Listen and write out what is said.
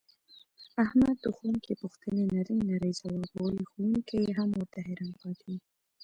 احمد د ښوونکي پوښتنې نرۍ نرۍ ځواوبولې ښوونکی یې هم ورته حیران پاتې و.